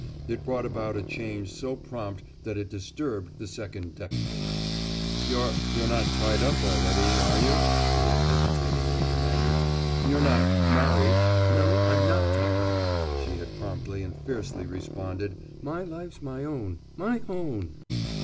It brought about a change so prompt that it disturbed the Second Deputy. "You're—you're not tied up already, are you?" he had hesitatingly demanded. "You're not married?" "No, I'm not tied up!" she had promptly and fiercely responded. "My life's my own—my own!"